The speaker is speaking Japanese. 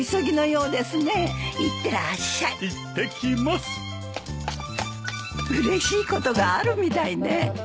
うれしいことがあるみたいね。